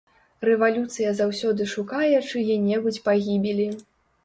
Рэвалюцыя заўсёды шукае чые-небудзь пагібелі.